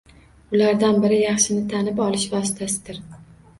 Ulardan biri — yaxshini tanib olish vositasidir.